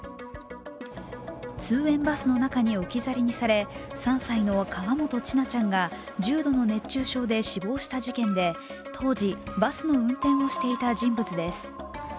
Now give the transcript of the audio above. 通園バスの中に置き去りにされ３歳の河本千奈ちゃんが重度の熱中症で死亡した事件で当時、バスの運転をしていた人物です。